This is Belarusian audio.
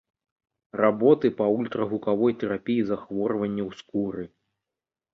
Работы па ультрагукавой тэрапіі захворванняў скуры.